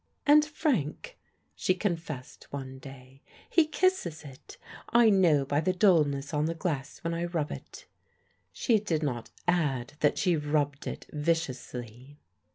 "And, Frank," she confessed one day, "he kisses it! I know by the dullness on the glass when I rub it." She did not add that she rubbed it viciously.